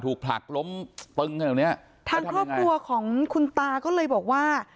ผลักล้มตึงขนาดเนี้ยทางครอบครัวของคุณตาก็เลยบอกว่า